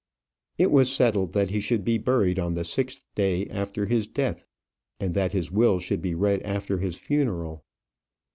It was settled that he should be buried on the sixth day after his death, and that his will should be read after his funeral.